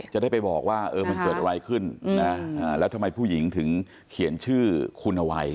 จะได้ไปบอกว่ามันเกิดอะไรขึ้นนะแล้วทำไมผู้หญิงถึงเขียนชื่อคุณเอาไว้